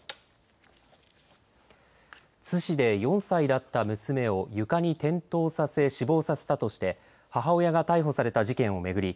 津市で４歳だった娘を床に転倒させ死亡させたとして母親が逮捕された事件を巡り